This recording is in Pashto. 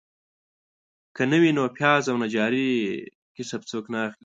که نه وي نو پیاز او نجاري کسب څوک نه اخلي.